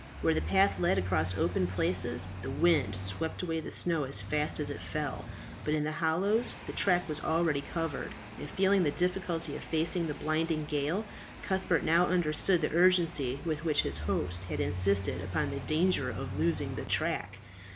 Where the path led across open places the wind swept away the snow as fast as it fell, but in the hollows the track was already covered; and feeling the difficulty of facing the blinding gale, Cuthbert now understood the urgency with which his host had insisted upon the danger of losing the track.